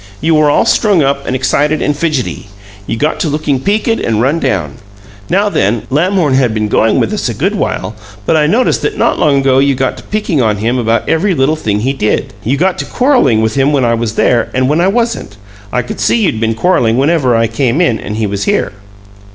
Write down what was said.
You were all strung up and excited and fidgety; you got to looking peakid and run down. Now then, Lamhorn had been going with us a good while, but I noticed that not long ago you got to picking on him about every little thing he did; you got to quarreling with him when I was there and when I wasn't. I could see you'd been quarreling whenever I came in and he was here."